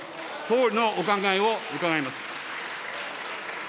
総理のお考えを伺います。